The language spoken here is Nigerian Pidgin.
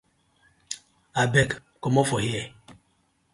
Abeg comot for here.